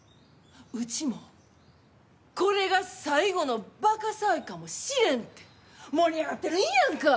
うちもこれが最後のバカ騒ぎかもしれんて盛り上がってるんやんか！